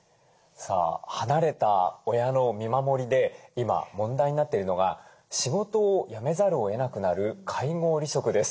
さあ離れた親の見守りで今問題になっているのが仕事を辞めざるをえなくなる介護離職です。